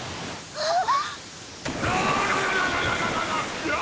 あっ！